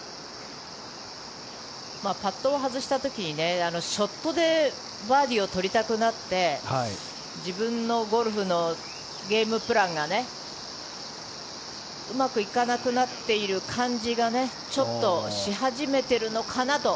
パットを外した時にショットでバーディーを取りたくなって自分のゴルフのゲームプランがうまくいかなくなっている感じがちょっとし始めているのかなと。